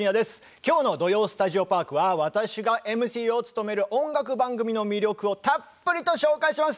きょうの「土曜スタジオパーク」は私がＭＣを務める音楽番組の魅力をたっぷりと紹介します。